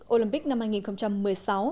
olympic năm hai nghìn một mươi sáu